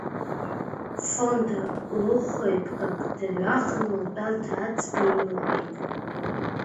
Фонда лыхәеиԥкак дырҩаханы, лтәарҭа аӡбаҩ илырбеит.